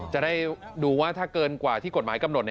จะได้ดูว่าถ้าเกินกว่าที่กฎหมายกำหนด